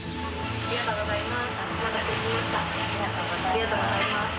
ありがとうございます。